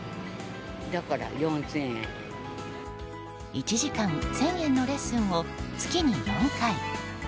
１時間１０００円のレッスンを月に４回。